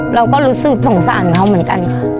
เราก็รู้สึกสงสารเขาเหมือนกันค่ะ